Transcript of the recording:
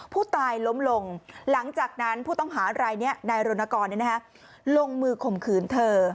ผู้ตายล้มลงหลังจากนั้นผู้ต้องหารายนี้นายรณกรลงมือข่มขืนเธอ